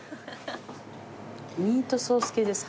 ミートソース系ですか？